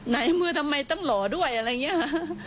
นายอำเภอทำไมต้องหล่อด้วยอะไรอย่างนี้ฮะ